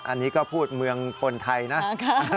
อันนี้ก็พูดเมืองคนไทยนะ